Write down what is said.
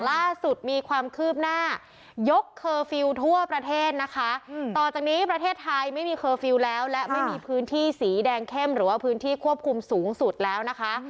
ล่าสุดมีความคืบหน้ายกเคอร์ฟิลล์ทั่วประเทศนะคะต่อจากนี้ประเทศไทยไม่มีเคอร์ฟิลล์แล้วและไม่มีพื้นที่สีแดงเข้มหรือว่าพื้นที่ควบคุมสูงสุดแล้วนะคะ